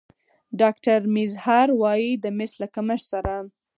ډاکتر میزهر وايي د مس له کمښت سره